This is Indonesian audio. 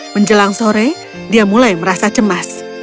menjelang sore dia mulai merasa cemas